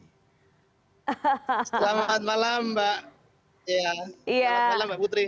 ya selamat malam mbak putri